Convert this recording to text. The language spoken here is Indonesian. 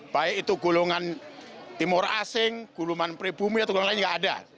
baik itu gulungan timur asing gulungan pribumi atau gulungan lainnya nggak ada